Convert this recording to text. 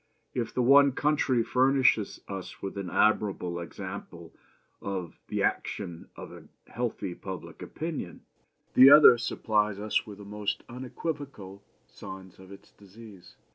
If the one country furnishes us with an admirable example of the action of a healthy public opinion, the other supplies us with the most unequivocal signs of its disease.